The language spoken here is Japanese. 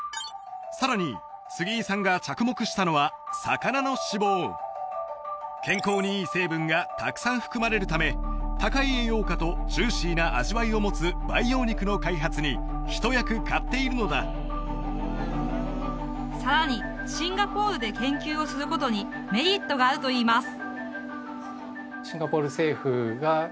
さらに杉井さんが着目したのは健康にいい成分がたくさん含まれるため高い栄養価とジューシーな味わいを持つ培養肉の開発に一役買っているのださらにシンガポールで研究をすることにメリットがあるといいます